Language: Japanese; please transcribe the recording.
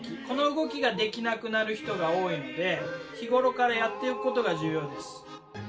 この動きができなくなる人が多いので日頃からやっておくことが重要です。